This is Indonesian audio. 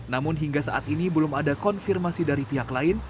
namun hingga saat ini belum ada konfirmasi dari pihak lain